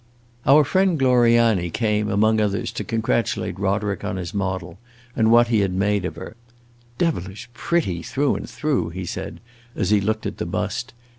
Our friend Gloriani came, among others, to congratulate Roderick on his model and what he had made of her. "Devilish pretty, through and through!" he said as he looked at the bust.